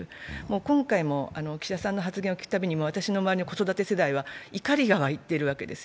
今回も岸田さんの発言を聞くたびに私の周りの子育て世代は怒りが湧いてるわけですよ。